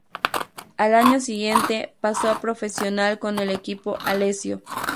Al año siguiente pasó a profesional con el equipo Alessio.